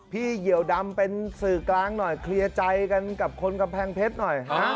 เหยียวดำเป็นสื่อกลางหน่อยเคลียร์ใจกันกับคนกำแพงเพชรหน่อย